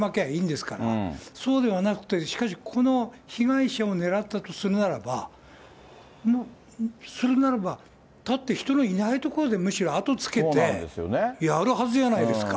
しかしそうではなくて、しかし、この被害者を狙ったとするならば、するならば、だって人のいない所で、むしろ後つけてやるはずじゃないですか。